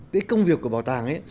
cái công việc của bảo tàng ấy